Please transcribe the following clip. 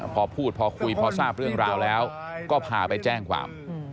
พอพูดพอคุยพอทราบเรื่องราวแล้วก็พาไปแจ้งความ